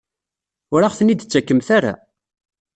Ur aɣ-ten-id-tettakemt ara?